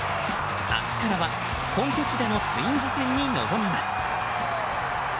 明日からは本拠地でのツインズ戦に臨みます。